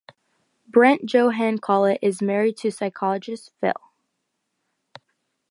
Bernt Johan Collet is married to psychologist, phil.